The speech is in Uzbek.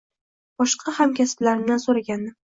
Boshqa hamkasblarimdan so‘ragandim.